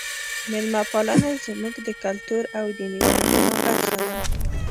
میلمه پالنه زموږ د کلتور او دین یوه مهمه برخه ده.